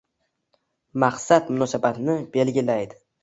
Maqsad munosabatni belgilaydi